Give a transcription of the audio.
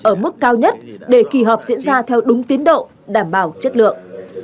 ở mức cao nhất để kỳ họp diễn ra theo đúng tiến độ đảm bảo chất lượng